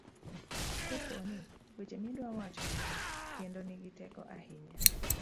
kapo ni weche midwa wacho ng'eny kendo nigi teko ahinya